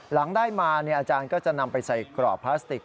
หลังได้มาอาจารย์ก็จะนำไปใส่กรอบพลาสติก